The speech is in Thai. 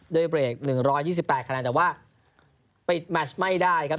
โดยเบรก๑๒๘คะแนนแต่ว่าปิดแมชไม่ได้ครับ